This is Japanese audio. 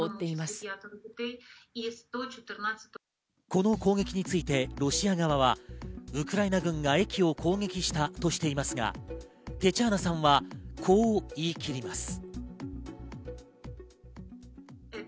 この攻撃についてロシア側はウクライナ軍が駅を攻撃したとしていますが、テチャーナさんはこう言い切ります。